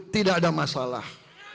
tidak ada masalah